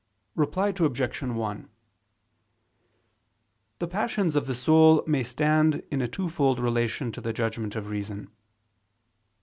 Reply Obj. 1: The passions of the soul may stand in a twofold relation to the judgment of reason.